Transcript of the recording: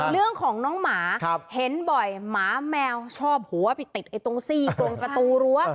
เรื่องของน้องหมาเห็นบ่อยหมาแมวชอบหัวไปติดตรงซี่ตรงประตูรั้ว